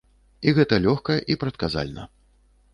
І гэта лёгка і прадказальна.